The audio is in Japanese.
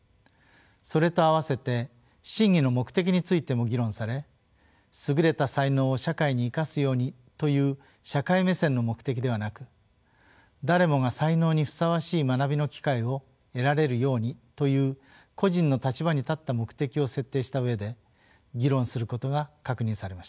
それと併せて審議の目的についても議論され優れた才能を社会に生かすようにという社会目線の目的ではなく誰もが才能にふさわしい学びの機会を得られるようにという個人の立場に立った目的を設定した上で議論することが確認されました。